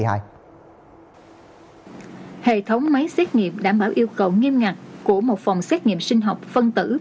hệ thống máy xét nghiệm đảm bảo yêu cầu nghiêm ngặt của một phòng xét nghiệm sinh học phân tử